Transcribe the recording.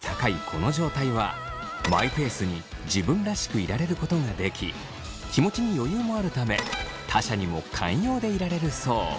この状態はマイペースに自分らしくいられることができ気持ちに余裕もあるため他者にも寛容でいられるそう。